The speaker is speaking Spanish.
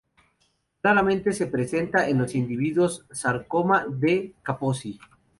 Raramente se presenta en los individuos sarcoma de Kaposi.